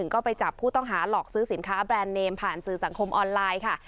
ก็ไปจับผู้ต้องหาหลอกซื้อสินค้าแบรนด์เนมผ่านสื่อสังคมออนไลน์ค่ะ